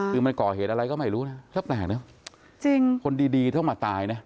คือมันก่อเหตุอะไรก็ไม่รู้นะแทบแปลกนะคนดีเท่ามาตายนะ